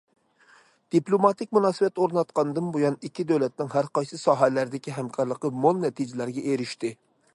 دىپلوماتىك مۇناسىۋەت ئورناتقاندىن بۇيان، ئىككى دۆلەتنىڭ ھەرقايسى ساھەلەردىكى ھەمكارلىقى مول نەتىجىلەرگە ئېرىشتى.